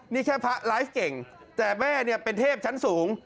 นี่แค่พระไลฟ์เก่งแต่แม่เนี่ยเป็นเทพชั้นสูง